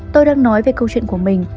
tôi đang nói về câu chuyện của mình